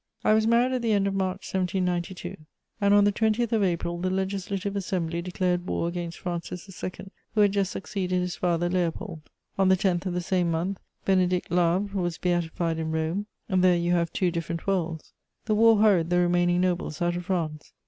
I was married at the end of March 1792, and on the 20th of April the Legislative Assembly declared war against Francis II., who had just succeeded his father Leopold; on the 10th of the same month Benedict Labre was beatified in Rome: there you have two different worlds. The war hurried the remaining nobles out of France.